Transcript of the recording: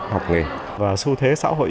học nghề và xu thế xã hội